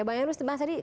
bang enrus bahas tadi